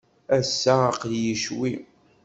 Ass-a, aql-iyi ccwi.